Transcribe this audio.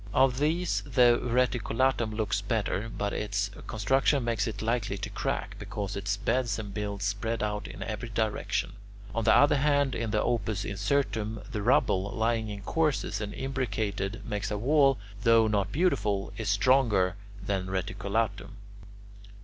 Of these, the reticulatum looks better, but its construction makes it likely to crack, because its beds and builds spread out in every direction. On the other hand, in the opus incertum, the rubble, lying in courses and imbricated, makes a wall which, though not beautiful, is stronger than the reticulatum.